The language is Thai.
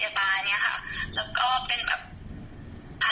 คือถ้าจะมีคุณพยาบาลคุณเป็นผู้ช่วยพยาบาล